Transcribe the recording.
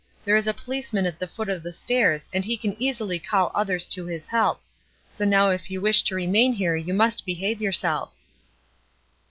There is a policeman at the foot of the stairs, and he can easily call others to his help; so now if you wish to remain here you must behave yourselves."